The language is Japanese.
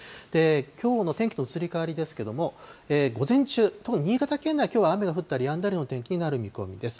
きょうの天気の移り変わりなんですけれども、午前中、特に新潟県内、きょうは雨が降ったりやんだりの天気になる見込みです。